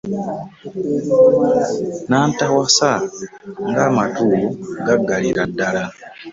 Nantawasa ng'amatu gaggalira ddala.